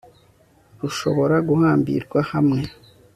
rushobora guhambirwa hamwe